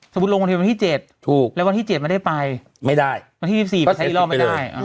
ลงวันที่๗ถูกแล้ววันที่๗ไม่ได้ไปไม่ได้วันที่๑๔ไปใช้อีกรอบไม่ได้